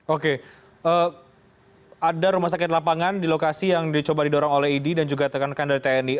oke ada rumah sakit lapangan di lokasi yang dicoba didorong oleh idi dan juga tekan rekan dari tni